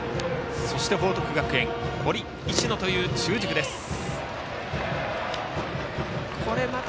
そして報徳学園の堀、石野という中軸を迎えます。